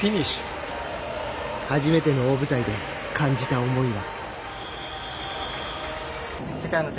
初めての大舞台で感じた思いは。